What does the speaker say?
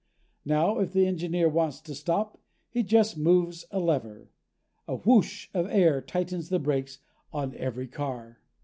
Now if the engineer wants to stop, he just moves a lever. A whoosh of air tightens the brakes on every car.